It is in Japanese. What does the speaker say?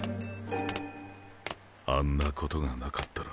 あんな事がなかったら。